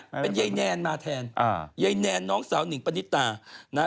กระเทยเก่งกว่าเออแสดงความเป็นเจ้าข้าว